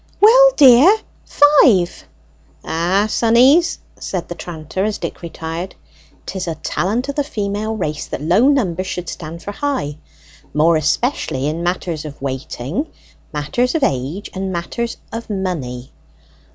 "Well, dear, five." "Ah, sonnies!" said the tranter, as Dick retired, "'tis a talent of the female race that low numbers should stand for high, more especially in matters of waiting, matters of age, and matters of money."